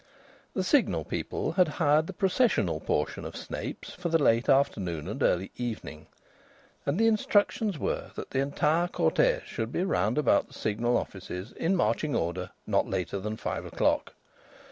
The Signal people had hired the processional portion of Snape's for the late afternoon and early evening. And the instructions were that the entire cortège should be round about the Signal offices, in marching order, not later than five o'clock.